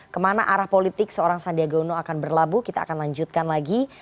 kemana arah politik seorang sandiaga uno akan berlabuh kita akan lanjutkan lagi